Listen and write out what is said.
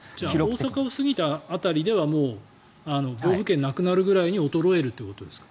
大阪を過ぎた辺りではもう暴風圏なくなるぐらいに衰えるということですか？